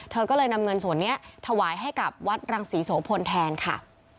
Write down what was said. เธอก็เลยนำเงินส่วนนี้ถวายให้กับวัดรังศรีโสพลแทนค่ะ